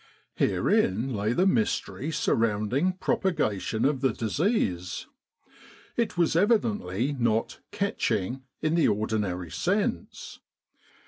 Herein lay the mystery surround ing propagation of the disease. It was evidently not "catching" in the ordinary sense.